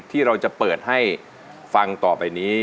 ที่เราจะเปิดให้ฟังต่อไปนี้